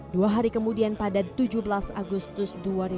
dua hari kemudian pada tujuh belas agustus dua ribu dua puluh